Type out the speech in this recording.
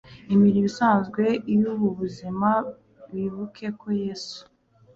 imirimo isanzwe yubu buzima bibuke ko Yesu